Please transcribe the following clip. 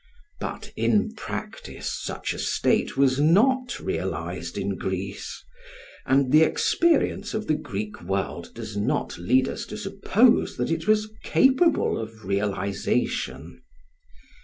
But in practice such a state was not realised in Greece; and the experience of the Greek world does not lead us to suppose that it was capable of realisation.